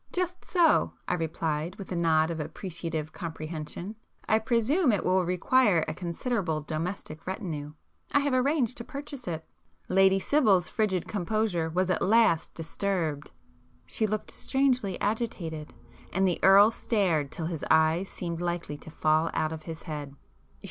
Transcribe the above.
"Just so;" I replied with a nod of appreciative comprehension—"I presume it will require a considerable domestic retinue. I have arranged to purchase it." Lady Sibyl's frigid composure was at last disturbed—she looked strangely agitated,—and the Earl stared till his eyes seemed likely to fall out of his head.